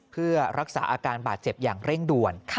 เพื่อรักษาอาการบาดเจ็บอย่างเร่งด่วน